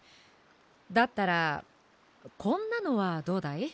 だったらこんなのはどうだい？